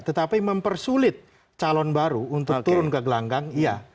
tetapi mempersulit calon baru untuk turun ke gelanggang iya